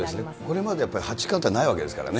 これまでやっぱ八冠ってないわけですからね。